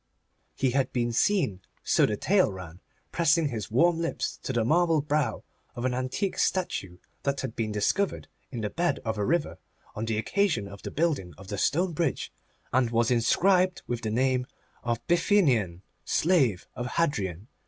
He had been seen, so the tale ran, pressing his warm lips to the marble brow of an antique statue that had been discovered in the bed of the river on the occasion of the building of the stone bridge, and was inscribed with the name of the Bithynian slave of Hadrian.